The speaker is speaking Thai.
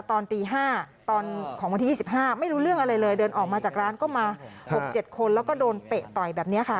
ตอนตี๕ตอนของวันที่๒๕ไม่รู้เรื่องอะไรเลยเดินออกมาจากร้านก็มา๖๗คนแล้วก็โดนเตะต่อยแบบนี้ค่ะ